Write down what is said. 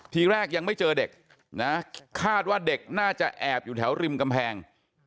ทีแรกยังไม่เจอเด็กนะคาดว่าเด็กน่าจะแอบอยู่แถวริมกำแพง